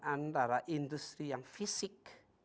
antara industri yang fisik